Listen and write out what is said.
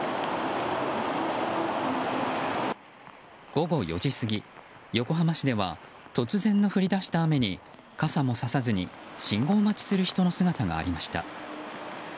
午後４時過ぎ、横浜市では突然の降り出した雨に傘もささずに信号待ちする人の姿がありました。